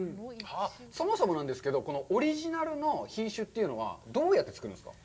そもそもなんですけど、このオリジナルの品種というのはどうやって作るんですか。